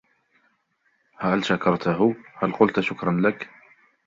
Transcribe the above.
هل شكرتهُ, هل قلت شكراً لك ؟